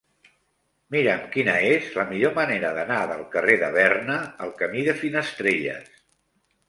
Mira'm quina és la millor manera d'anar del carrer de Berna al camí de Finestrelles.